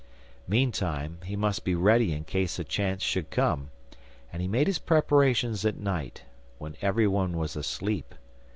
Meantime he must be ready in case a chance should come, and he made his preparations at night, when everyone was asleep.